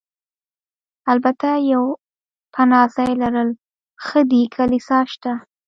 البته یو پناه ځای لرل ښه دي، کلیسا شته.